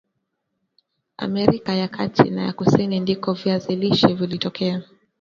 Amerika ya Kati na ya Kusini ndiko viazi lishe vilitokea